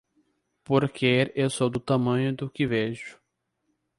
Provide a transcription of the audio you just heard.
Porque eu sou do tamanho do que vejo.